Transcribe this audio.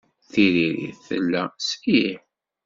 Tiririt tella s ih.